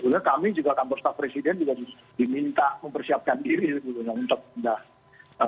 dan sebenarnya kami juga kantor staff presiden juga diminta mempersiapkan diri